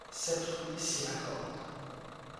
Sept rues s'y raccordent.